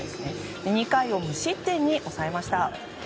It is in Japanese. ２回を無失点に抑えました。